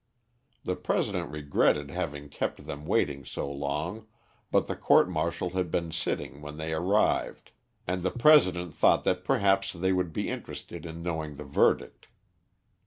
The President regretted having kept them waiting so long, but the court martial had been sitting when they arrived, and the President thought that perhaps they would be interested in knowing the verdict.